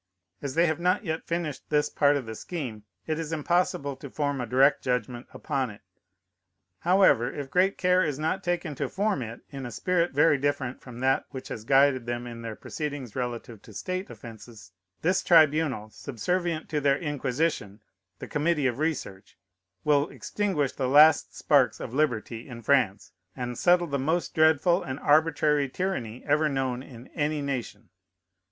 As they have not yet finished this part of the scheme, it is impossible to form a direct judgment upon it. However, if great care is not taken to form it in a spirit very different from that which has guided them in their proceedings relative to state offences, this tribunal, subservient to their inquisition, the Committee of Research, will extinguish the last sparks of liberty in France, and settle the most dreadful and arbitrary tyranny ever known in any nation.